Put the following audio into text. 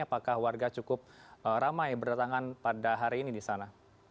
apakah warga cukup ramai berdatangan pada hari ini di sana